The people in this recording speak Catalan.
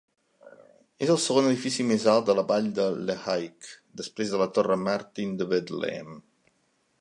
És el segon edifici més alt de la vall de Lehigh, després de la Torre Martin de Bethlehem.